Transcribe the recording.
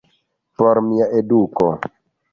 Por mia eduko.